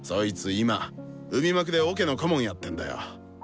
今海幕でオケの顧問やってんだよ。